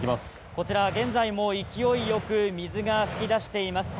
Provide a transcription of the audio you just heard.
こちら、現在も勢いよく水が噴き出しています。